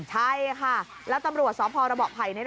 ใช่ค่ะแล้วตำรวจสพระเบาะไผ่